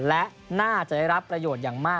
และน่าจะได้รับประโยชน์อย่างมาก